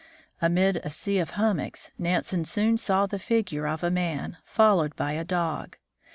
Amid a sea of hummocks, Nansen soon saw the figure of a man,' followed by a dog.